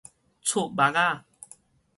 眵目仔